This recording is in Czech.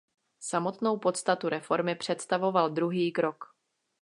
Samotnou podstatu reformy představoval druhý krok.